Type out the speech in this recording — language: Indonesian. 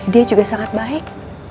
dia juga sangat baik